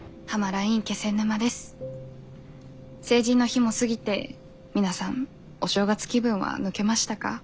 成人の日も過ぎて皆さんお正月気分は抜けましたか？